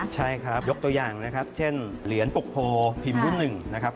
ใช่ครับยกตัวอย่างนะครับเช่นเหรียญปกโพพิมพ์รุ่นหนึ่งนะครับ